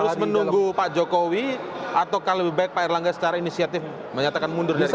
terus menunggu pak jokowi ataukah lebih baik pak erlangga secara inisiatif menyatakan mundur dari kabinet